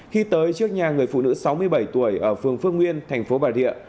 khi tới trước nhà người phụ nữ sáu mươi bảy tuổi ở phường phước nguyên tp bà rịa